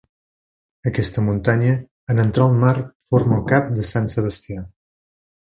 Aquesta muntanya, en entrar al mar, forma el cap de Sant Sebastià.